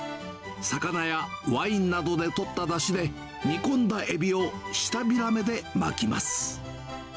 魚やワインなどで取っただしで、煮込んだエビを舌平目で巻きます。